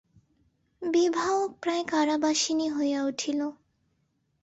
বিভাও প্রায় কারাবাসিনী হইয়া উঠিল।